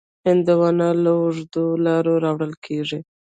هندوانه له اوږده لاره راوړل کېږي.